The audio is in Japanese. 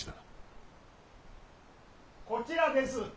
・こちらです。